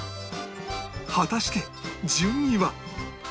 果たして順位は？